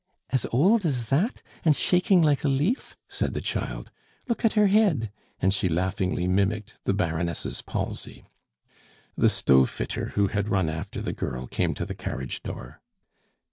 As old as that! and shaking like a leaf!" said the child. "Look at her head!" and she laughingly mimicked the Baroness' palsy. The stove fitter, who had run after the girl, came to the carriage door.